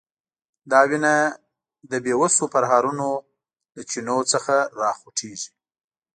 دا وینه د بیوسو پرهرونو له چینو څخه راخوټېږي.